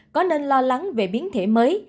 có nên lo lắng về biến thể mới